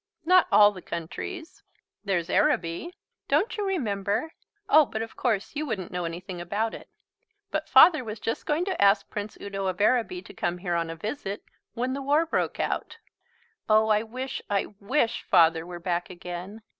"Not all the countries. There's Araby. Don't you remember oh, but of course you wouldn't know anything about it. But Father was just going to ask Prince Udo of Araby to come here on a visit, when the war broke out. Oh, I wish, I wish Father were back again."